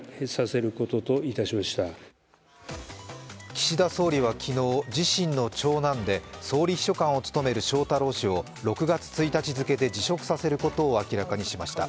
岸田総理は昨日、自身の長男で総理秘書官を務める翔太郎氏を６月１日付で辞職させることを明らかにしました。